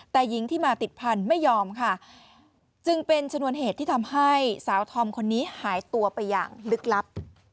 แต่หญิงที่มาติดพันธุ์ไม่ยอมค่ะจึงเป็นชนวนเหตุที่ทำให้สาวธอมคนนี้หายตัวไปอย่างลึกลับ